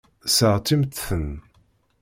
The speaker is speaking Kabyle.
Seɣtimt-ten.